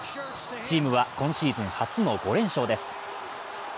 チームは今シーズン初の５連勝です。